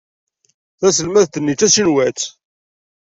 Taselmadt-nni d tacinwat.